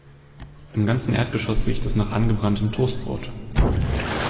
Im ganzen Erdgeschoss riecht es nach angebranntem Toastbrot.